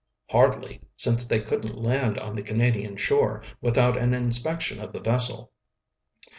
"Hardly, since they couldn't land on the Canadian shore without an inspection of the vessel."